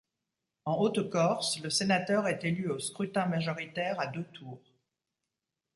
En Haute-Corse, le sénateur est élu au scrutin majoritaire à deux tours.